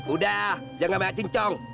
udah jangan banyak cincong